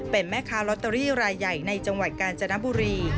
เป็นแม่ค้าลอตเตอรี่รายใหญ่ในจังหวัดกาญจนบุรี